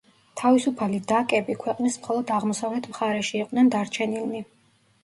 თავისუფალი დაკები ქვეყნის მხოლოდ აღმოსავლეთ მხარეში იყვნენ დარჩენილნი.